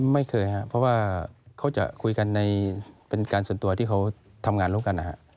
ไม่เคยครับเพราะว่าเขาจะคุยกันเป็นการส่วนตัวที่เขาทำงานร่วมกันนะฮะ